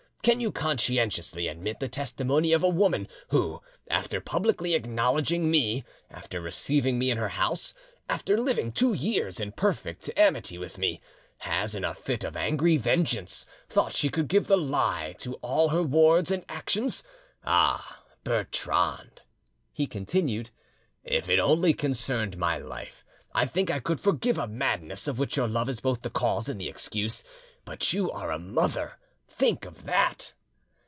Can you conscientiously admit the testimony of a woman who, after publicly acknowledging me, after receiving me in her house, after living two years in perfect amity with me, has, in a fit of angry vengeance, thought she could give the lie to all her wards and actions? Ah! Bertrande," he continued, "if it only concerned my life I think I could forgive a madness of which your love is both the cause and the excuse, but you are a mother, think of that!